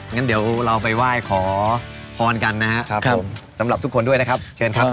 งั้นเดี๋ยวเราไปไหว้ขอพรกันนะครับผมสำหรับทุกคนด้วยนะครับเชิญครับ